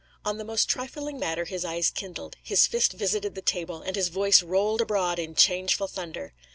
On the most trifling matter his eyes kindled, his fist visited the table, and his voice rolled abroad in changeful thunder.